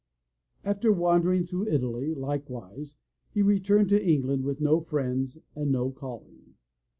After wandering through Italy, likewise, he returned to Eng land with no friends and no calling.